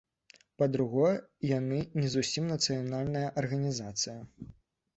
Па-другое, яны не зусім нацыянальная арганізацыя.